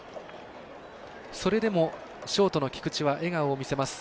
それでもショートの菊地は笑顔を見せます。